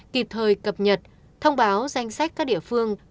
kịp thời cập nhật thông báo danh sách các địa phương